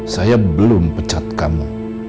saya belum pecat kamu